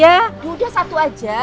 yaudah satu aja